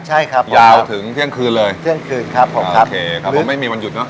ใช่ครับยาวถึงเที่ยงคืนเลยเที่ยงคืนครับผมโอเคครับผมไม่มีวันหยุดเนอ